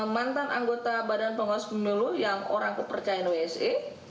mantan anggota bdpp yang orang kepercayaan wse